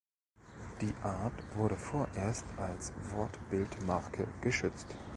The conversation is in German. Die Art wurde vorerst als Wortbildmarke geschützt.